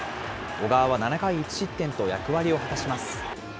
小川は７回１失点と役割を果たします。